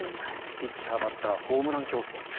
ピッチャー、バッターホームラン競争。